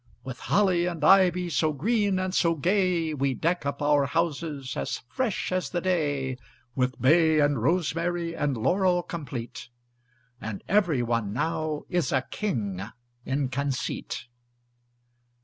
With holly and ivy So green and so gay, We deck up our houses As fresh as the day; With bay and rosemary And laurel complete; And every one now Is a king in conceit.